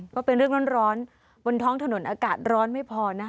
ก็เป็นเรื่องร้อนบนท้องถนนอากาศร้อนไม่พอนะ